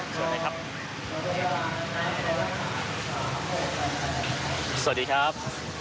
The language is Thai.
สวัสดีครับ